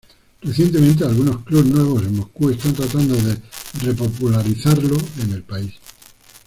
Recientemente, algunos clubs nuevos en Moscú están tratando de re-popularizarlo en el país.